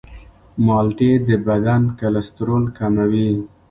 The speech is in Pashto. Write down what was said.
مالټې د بدن کلسترول کموي.